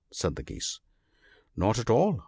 said the Geese. " Not at all !